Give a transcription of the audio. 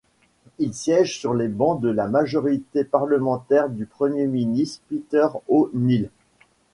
Il siège sur les bancs de la majorité parlementaire du Premier ministre Peter O'Neill.